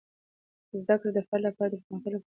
زده کړه د فرد لپاره د پرمختګ لپاره یوه وسیله ده.